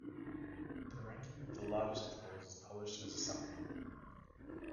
The ranking of the largest exporters is published as a supplement.